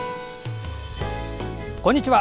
こんにちは。